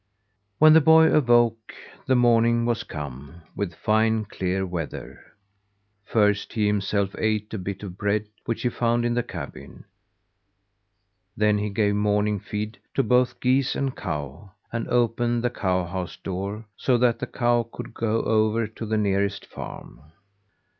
When the boy awoke the morning was come, with fine, clear weather. First, he himself ate a bit of bread which he found in the cabin; then he gave morning feed to both geese and cow, and opened the cowhouse door so that the cow could go over to the nearest farm.